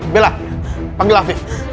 bella panggil afif